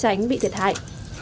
cảnh bị thiệt hại